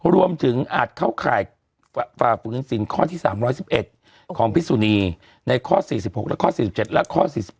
อาจเข้าข่ายฝ่าฝืนสินข้อที่๓๑๑ของพิสุนีในข้อ๔๖และข้อ๔๗และข้อ๔๑